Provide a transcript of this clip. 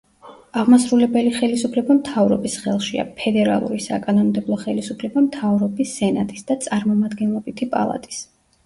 აღმასრულებელი ხელისუფლება მთავრობის ხელშია, ფედერალური საკანონმდებლო ხელისუფლება მთავრობის, სენატის და წარმომადგენლობითი პალატის.